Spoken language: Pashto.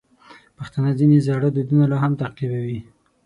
پښتانه ځینې زاړه دودونه لا هم تعقیبوي.